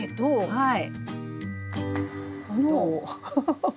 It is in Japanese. はい。